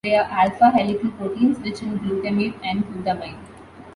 They are alpha helical proteins rich in glutamate and glutamine.